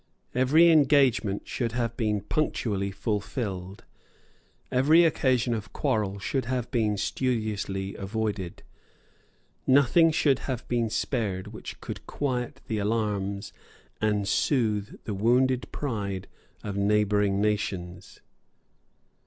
Every engagement should have been punctually fulfilled; every occasion of quarrel should have been studiously avoided. Nothing should have been spared which could quiet the alarms and soothe the wounded pride of neighbouring nations.